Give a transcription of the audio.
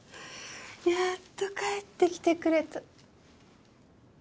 やっと帰ってきてくれた。